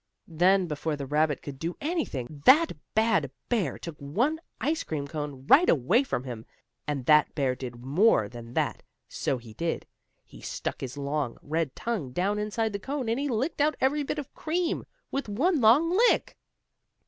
Then before the rabbit could do anything, that bad bear took one ice cream cone right away from him. And that bear did more than that, so he did. He stuck his long, red tongue down inside the cone, and he licked out every bit of cream, with one, long lick.